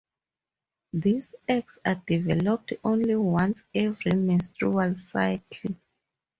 These eggs are developed only once every menstrual cycle.